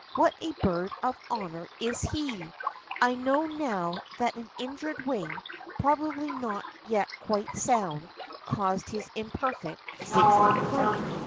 What a bird of honor is he ! I know now that an injured wing, probably not yet quite sound, caused his imperfect, zigzag flight.